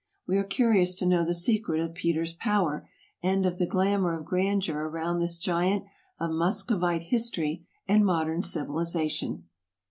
We are curious to know the secret of Peter's power, and of the glamour of grandeur around this giant of Muscovite history and modern civilization.